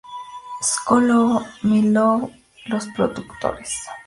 School-Love On, My Lovely Girl, y" Los Productores".